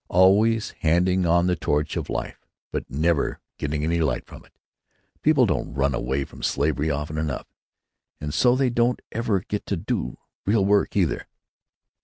Always handing on the torch of life, but never getting any light from it. People don't run away from slavery often enough. And so they don't ever get to do real work, either!"